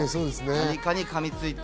何かに噛みついて。